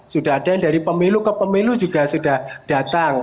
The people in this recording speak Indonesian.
sudah ada yang dari pemilu ke pemilu juga sudah datang